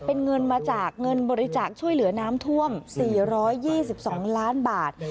เป็นเงินมาจากเงินบริจาคช่วยเหลือน้ำท่วม๔๒๒ล้านบาท